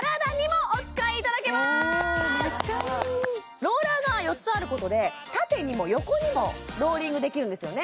めっちゃいいローラーが４つあることで縦にも横にもローリングできるんですよね